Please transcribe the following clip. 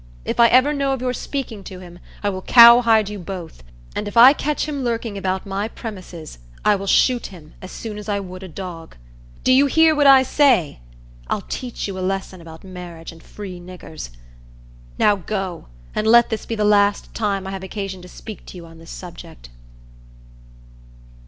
If I ever know of your speaking to him, I will cowhide you both; and if I catch him lurking about my premises, I will shoot him as soon as I would a dog. Do you hear what I say? I'll teach you a lesson about marriage and free niggers! Now go, and let this be the last time I have occasion to speak to you on this subject."